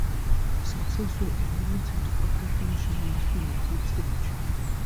Sussex were eliminated after finishing last in the group stage.